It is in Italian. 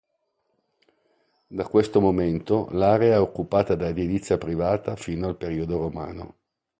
Da questo momento l'area è occupata da edilizia privata fino al periodo romano.